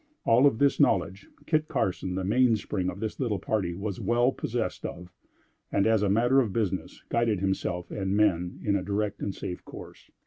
All of this knowledge, Kit Carson, the mainspring of this little party, was well possessed of, and, as a matter of business, guided himself and men in a direct and safe course.